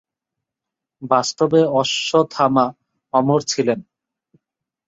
বাস্তবে অশ্বত্থামা অমর ছিলেন।